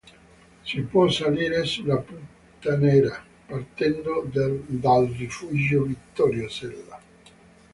Si può salire sulla Punta Nera partendo dal Rifugio Vittorio Sella.